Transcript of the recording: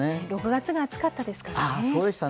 ６月が暑かったですからね。